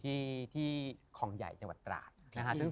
พี่ยังไม่ได้เลิกแต่พี่ยังไม่ได้เลิก